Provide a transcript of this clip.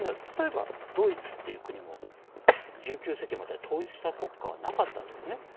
例えばドイツという国も１９世紀までは統一した国家はなかったですね。